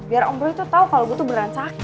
biar om roy tuh tau kalo gue tuh beran sakit